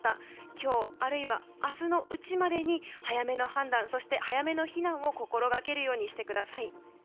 今日、あるいは明日のうちまでに早めの判断、早めの避難を心がけるようにしてください。